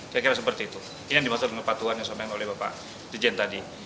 saya kira seperti itu ini dimaksud dengan kepatuhan yang disampaikan oleh bapak dijen tadi